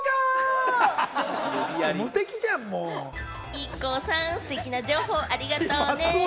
ＩＫＫＯさん、ステキな情報、ありがとうね。